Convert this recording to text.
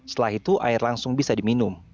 setelah itu air langsung bisa diminum